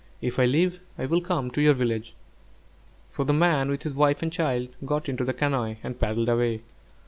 If I live, I will come to your village." So the man with his wife and child got into the canoe and paddled away.